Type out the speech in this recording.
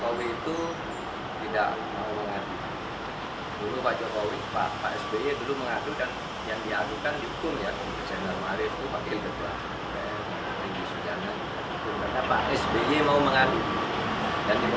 oleh sebab itu saya juga sudah melihat ya pak jokowi itu tidak mau mengadukan